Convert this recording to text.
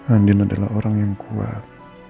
andin adalah orang yang kuat